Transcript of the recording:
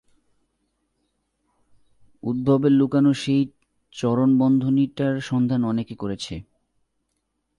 উদ্ধবের লুকানো সেই চরণ-বন্ধনীটার সন্ধান অনেকে করেছে।